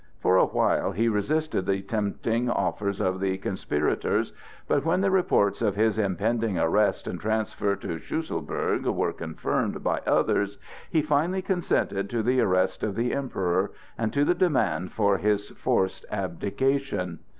For a while he resisted the tempting offers of the conspirators, but when the reports of his impending arrest and transfer to Schlüsselburg were confirmed by others, he finally consented to the arrest of the Emperor and to the demand for his forced abdication.